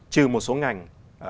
trừ một số ngành